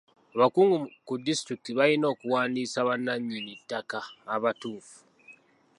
Abakungu ku disitulikiti balina okuwandiisa bannannyini ttaka abatuufu.